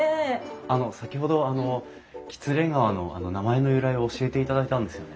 あの先ほどあの喜連川の名前の由来を教えていただいたんですよね。